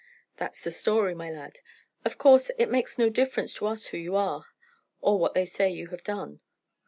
"That's the story, my lad. Of course, it makes no difference to us who you are, or what they say you have done.